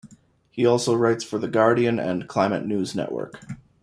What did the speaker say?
He also writes for "The Guardian" and Climate News Network.